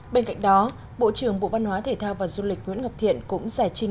bên cạnh đó bộ trưởng bộ văn hóa thể thao và du lịch nguyễn ngọc thiện cũng giải trình